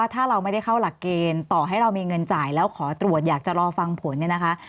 ถ้าเราไม่ได้เข้าหลักเกณฑ์ต่อให้เรามีเงินจ่ายแล้วขอตรวจอยากจะรอฟังผลเนี่ยนะคะ